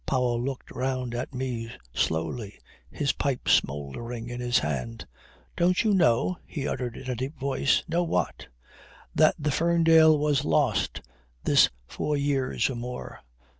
Powell looked round at me slowly, his pipe smouldering in his hand. "Don't you know?" he uttered in a deep voice. "Know what?" "That the Ferndale was lost this four years or more.